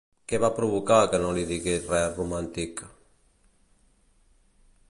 Què va provocar que no li digués res romàntic?